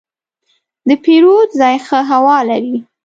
د پیرود ځای ښه هوا لري.